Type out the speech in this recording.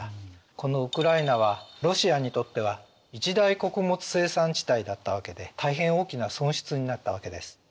このウクライナはロシアにとっては一大穀物生産地帯だったわけで大変大きな損失になったわけです。